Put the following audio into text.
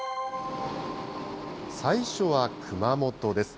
最初は熊本です。